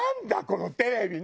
このテレビ。